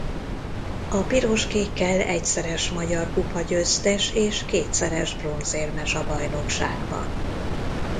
A piros-kékkel egyszeres Magyar Kupa győztes és kétszeres bronzérmes a bajnokságban.